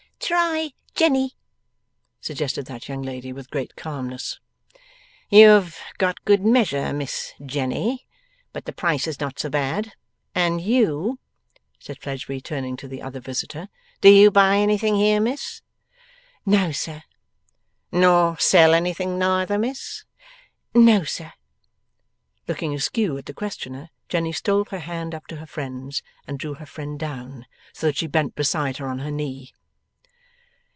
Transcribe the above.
'Try Jenny,' suggested that young lady with great calmness. 'You have got good measure, Miss Jenny; but the price is not so bad. And you,' said Fledgeby, turning to the other visitor, 'do you buy anything here, miss?' 'No, sir.' 'Nor sell anything neither, miss?' 'No, sir.' Looking askew at the questioner, Jenny stole her hand up to her friend's, and drew her friend down, so that she bent beside her on her knee.